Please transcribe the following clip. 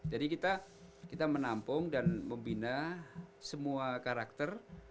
jadi kita menampung dan membina semua karakter